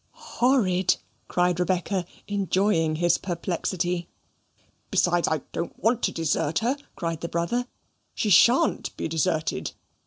"Horrid!" cried Rebecca, enjoying his perplexity. "Besides, I don't want to desert her," cried the brother. "She SHAN'T be deserted.